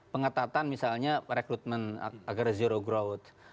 pengetatan misalnya rekrutmen agar zero growth